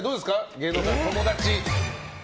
芸能界の友達。